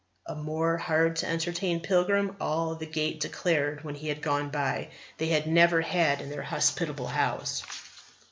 A more hard to entertain pilgrim, all the Gate declared when he had gone, they had never had in their hospitable house.